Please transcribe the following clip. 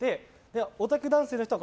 オタク男性の人が。